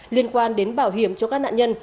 liên quan đến bảo hiểm cho các nạn nhân